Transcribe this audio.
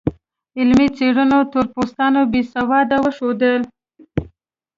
علمي څېړنو تور پوستان بې سواده وښودل.